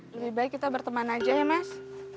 lebih baik kita berteman aja ya mas